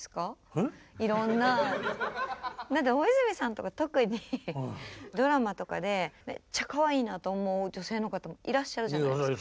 えっ？だって大泉さんとか特にドラマとかでめっちゃかわいいなと思う女性の方いらっしゃるじゃないですか。